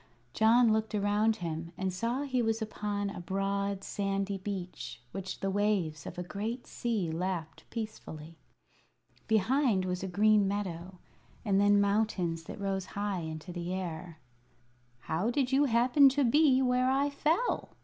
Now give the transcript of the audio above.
John looked around him and saw he was upon a broad, sandy beach which the waves of a great sea lapped peacefully. Behind was a green meadow, and then mountains that rose high into the air. "How did you happen to be where I fell?"